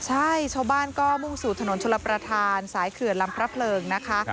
ใช่ชาวบ้านก็มุ่งสู่ถนนชลประธานสายเขื่อนลำพระเพลิงนะคะ